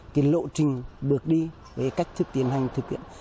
cái lộ trình bước đi về cách thực tiễn hành thực tiễn